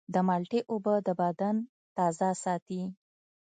د مالټې اوبه د بدن تازه ساتي.